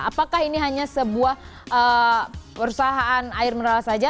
apakah ini hanya sebuah perusahaan air mineral saja